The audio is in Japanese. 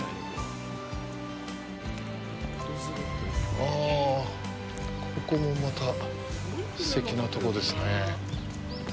あぁ、ここもまたすてきなところですねぇ。